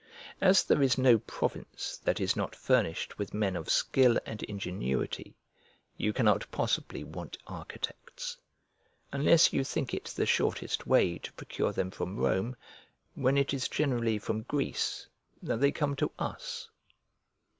As there is no province that is not furnished with men of skill and ingenuity, you cannot possibly want architects; unless you think it the shortest way to procure them from Rome, when it is generally from Greece that they come to us.